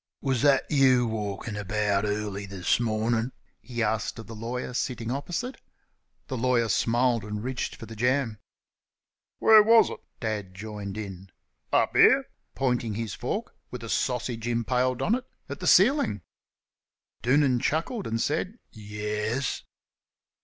"Was that you walking about early this morning?" he asked of the lawyer, sitting opposite. The lawyer smiled and reached for the jam. "Where was it," Dad joined in; "up here?" pointing his fork, with a sausage impaled on it, at the ceiling. Doonan chuckled and said "Yes."